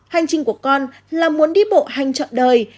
hành trình của con là muốn đi bộ hành trọn đời